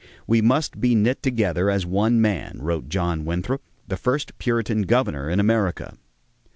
"We must be knit together as one man," wrote John Winthrop, the first Puritan governor in America.